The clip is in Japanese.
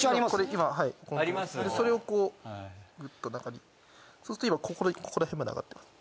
今はいそれをこうグッと中にそうすると今ここらへんまで上がってます